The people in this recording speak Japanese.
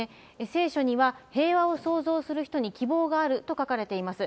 聖書には、平和を創造する人に希望があると書かれています。